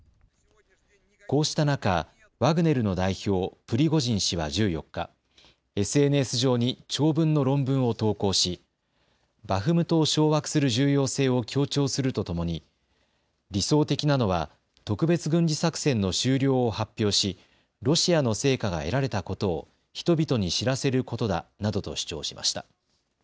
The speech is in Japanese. こうした中、ワグネルの代表、プリゴジン氏は１４日、ＳＮＳ上に長文の論文を投稿しバフムトを掌握する重要性を強調するとともに理想的なのは特別軍事作戦の終了を発表し、ロシアの成果が得られたことを人々に知らせることだなどと主張しました。